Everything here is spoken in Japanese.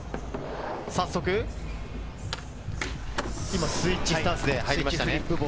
早速、今スイッチスタンスで入りましたね。